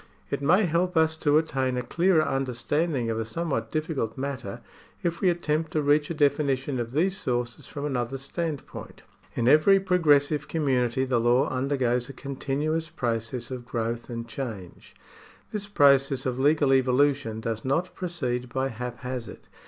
It may help us to attain a clearer understanding of a somewhat difficult matter if we attempt to reach a definition of these sources from another standpoint. In every pro gressive community the law undergoes a continuous process of growth and change. This process of legal evolution does not proceed by haphazard.